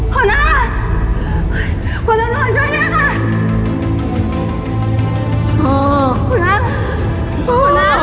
หัวหน้าคุณตำรวจช่วยด้วยค่ะ